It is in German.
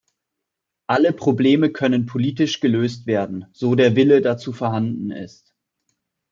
Alle Probleme können politisch gelöst werden, so der Wille dazu vorhanden ist.